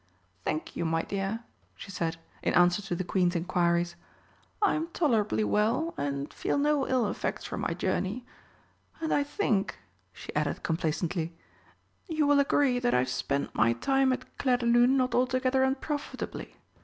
"Thank you, my dear," she said, in answer to the Queen's inquiries, "I am tolerably well, and feel no ill effects from my journey. And I think," she added complacently, "you will agree that I have spent my time at Clairdelune not altogether unprofitably.